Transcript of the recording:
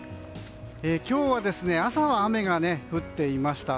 今日は朝は雨が降っていました。